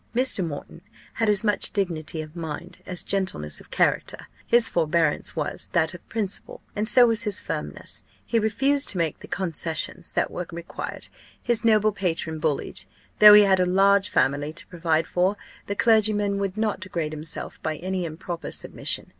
Mr. Moreton had as much dignity of mind as gentleness of character; his forbearance was that of principle, and so was his firmness: he refused to make the concessions that were required. His noble patron bullied. Though he had a large family to provide for, the clergyman would not degrade himself by any improper submission.